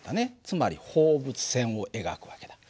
つまり放物線を描く訳だ。